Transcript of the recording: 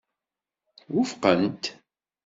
Wufqent.